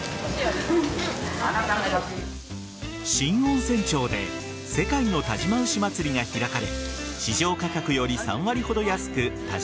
新温泉町で世界の但馬牛まつりが開かれ市場価格より３割ほど安く但馬